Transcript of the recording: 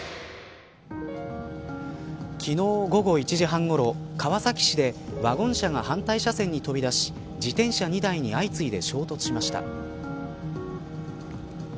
昨日、午後１時半ごろ川崎市でワゴン車が反対車線に飛び出し自転車２台に相次いで衝突しました。